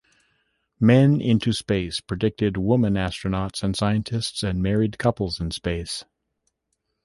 "Men Into Space" predicted women astronauts and scientists and married couples in space.